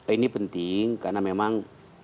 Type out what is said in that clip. ini penting karena memang